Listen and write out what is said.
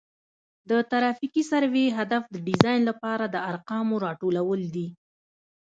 د ترافیکي سروې هدف د ډیزاین لپاره د ارقامو راټولول دي